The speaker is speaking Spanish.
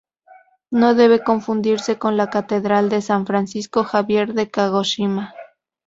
No debe confundirse con la Catedral de San Francisco Javier de Kagoshima.